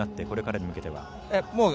これからに向けては。